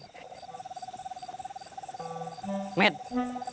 biar langsung mandiri